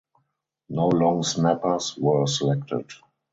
No long snappers were selected.